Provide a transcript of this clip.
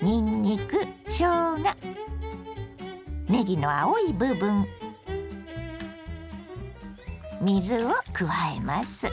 にんにくしょうがねぎの青い部分水を加えます。